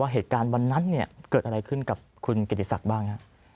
เหตุการณ์วันนั้นเกิดอะไรขึ้นกับคุณกิติศักดิ์บ้างครับ